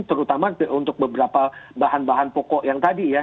terutama untuk beberapa bahan bahan pokok yang tadi ya